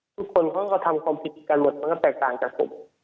ทุกคนเขาก็ทำความผิดกันหมดมันก็แตกต่างจากผม